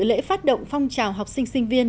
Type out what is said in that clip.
lễ phát động phong trào học sinh sinh viên